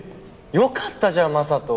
よかったじゃん雅人。